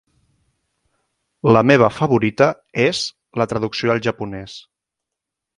La meva favorita és la traducció al japonès.